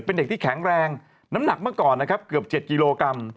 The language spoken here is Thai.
เป็นเด็กที่แข็งแรงน้ำหนักเมื่อก่อนนะครับเกือบ๗กิโลกรัม